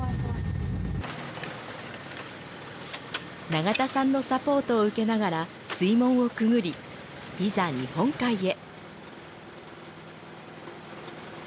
長田さんのサポートを受けながら水門をくぐりいざ日本海へ。